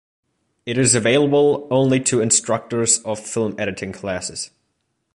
It is available only to instructors of film editing classes.